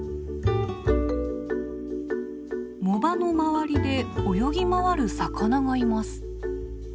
藻場の周りで泳ぎ回る魚がいます。